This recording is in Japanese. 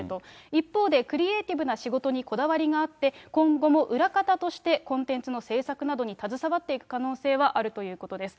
一方でクリエーティブな仕事にこだわりがあって、今後も裏方としてコンテンツの制作などに携わっていく可能性はあるということです。